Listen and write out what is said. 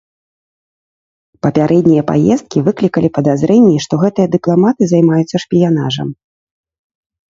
Папярэднія паездкі выклікалі падазрэнні, што гэтыя дыпламаты займаюцца шпіянажам.